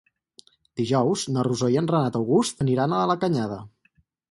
Dijous na Rosó i en Renat August aniran a la Canyada.